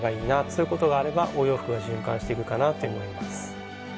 そういうことがあればお洋服が循環して行くかなって思います。